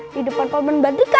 di depan kolmen bandika